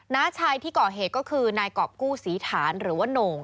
้าชายที่ก่อเหตุก็คือนายกรอบกู้ศรีฐานหรือว่าโหน่ง